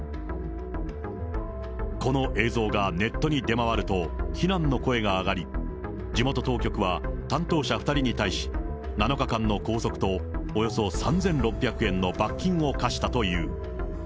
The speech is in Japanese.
この映像がネットに出回ると、非難の声が上がり、地元当局は、担当者２人に対し、７日間の拘束と、およそ３６００円の罰金を科したという。